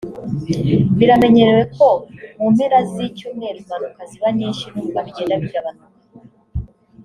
Biramenyerewe ko mu mpera z’icyumweru impanuka ziba nyinshi (N’ubwo bigenda bigabanuka)